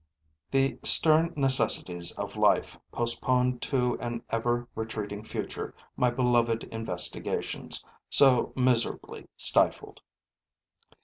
The stern necessities of life postponed to an ever retreating future my beloved investigations, so miserably stifled.